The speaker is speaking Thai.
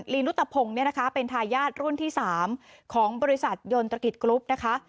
ลีนุตพงศ์เนี่ยนะคะเป็นทายาทรุ่นที่๓ของบริษัทยนตรกิจกรุ๊ปนะคะ